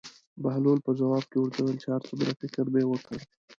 بهلول په ځواب کې ورته وویل چې هر څومره فکر مې وکړ.